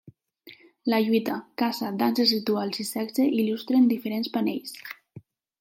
La lluita, caça, danses rituals i sexe il·lustren diferents panells.